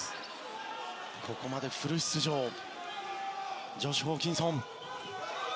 ここまでフル出場ジョシュ・ホーキンソン。